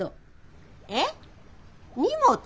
えっ荷物？